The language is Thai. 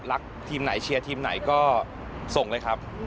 ทีมไหนเชียร์ทีมไหนก็ส่งเลยครับ